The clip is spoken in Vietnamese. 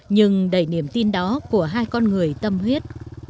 nhưng đầy niềm tin đó của hai con người tâm huyết